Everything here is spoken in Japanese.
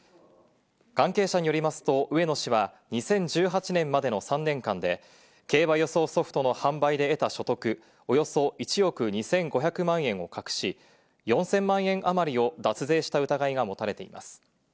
関係者によりますと植野氏は２０１８年までの３年間で競馬予想ソフトの販売で得た所得、およそ１億２５００万円を隠し、４０００万円あまりを脱税した疑いがもたれています。